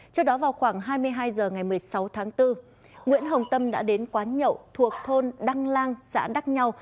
trước đó vào khoảng hai mươi hai h ngày một mươi sáu tháng bốn nguyễn hồng tâm đã đến quán nhậu thuộc thôn đăng lang xã đắc nhau